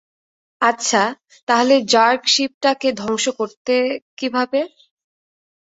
আচ্ছা, তাহলে যার্গ শিপটাকে ধ্বংস করতে কীভাবে?